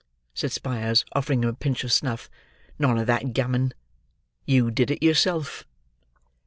said Spyers, offering him a pinch of snuff, 'none of that gammon! You did it yourself.